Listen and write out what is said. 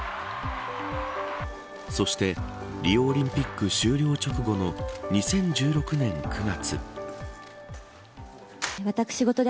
そして、リオオリンピック終了直後の２０１６年９月。